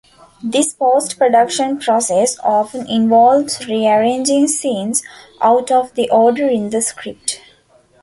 This post-production process often involves rearranging scenes out of the order in the script.